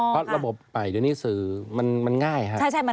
เพราะระบบไหมด้วยนิสือมันง่ายครับ